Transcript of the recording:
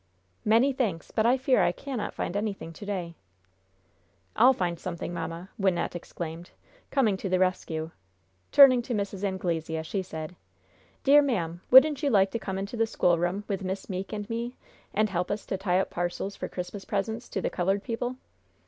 "Many thanks, but I fear I cannot find anything to day." "I'll find something, mamma," Wynnette exclaimed, coming to the rescue. Turning to Mrs. Anglesea, she said: "Dear ma'am, wouldn't you like to come into the schoolroom with Miss Meeke and me and help us to tie up parcels for Christmas presents to the colored people?"